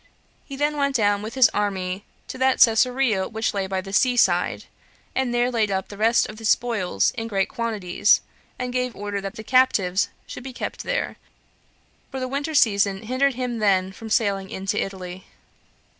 He then went down with his army to that Cesarea which lay by the sea side, and there laid up the rest of his spoils in great quantities, and gave order that the captives should be kept there; for the winter season hindered him then from sailing into Italy.